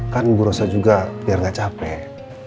kan bu rosa juga biar gak capek